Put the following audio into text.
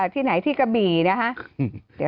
ที่ไหนที่กระบี่นะคะ